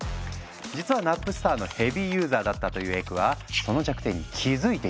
実はナップスターのヘビーユーザーだったというエクはその弱点に気付いていたんだ。